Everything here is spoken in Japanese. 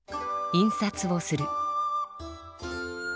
印刷をする。